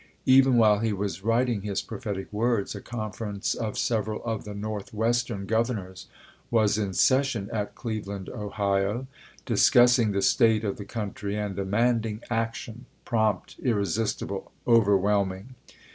Even while he was writ ing his prophetic words a conference of several of the Northwestern governors was in session at Cleveland, Ohio, discussing the state of the country and demanding action — prompt, irresistible, over whelming.